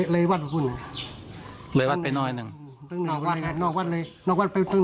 เลยวัดไปน้อยนึง